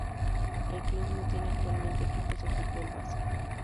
El club no tiene actualmente equipos de fútbol base.